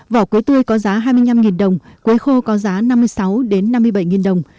vỏ quế tươi có giá hai mươi năm đồng quế khô có giá năm mươi sáu năm mươi bảy đồng